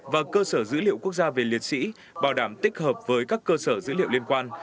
và cơ sở dữ liệu quốc gia về liệt sĩ bảo đảm tích hợp với các cơ sở dữ liệu liên quan